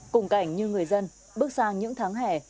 cùng cảnh như người dân bước sang những tháng hè